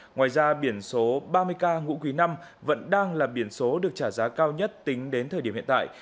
ngoài ra biển số ba mươi k ngũ quý năm vẫn đang là biển số được trả giá cao nhất tính đến thời điểm hiện tại